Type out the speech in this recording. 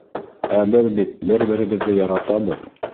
Ә беҙ бит бер-беребеҙҙе яратабыҙ...